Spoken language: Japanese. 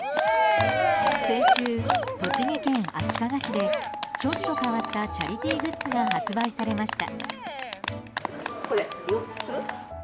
先週、栃木県足利市でちょっと変わったチャリティーグッズが発売されました。